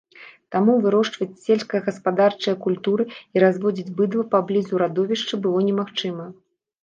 Таму вырошчваць сельскагаспадарчыя культуры і разводзіць быдла паблізу радовішча было немагчыма.